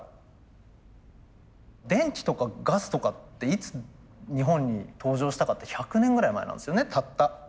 電気とかガスとかっていつ日本に登場したかって１００年ぐらい前なんですよねたった。